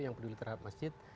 yang peduli terhadap masjid